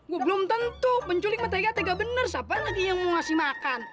gue belum tentu penculik metega tega benar siapa lagi yang mau ngasih makan